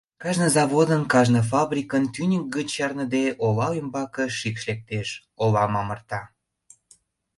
Кажне заводын, кажне фабрикын тӱньык гыч чарныде ола ӱмбаке шикш лектеш, олам амырта.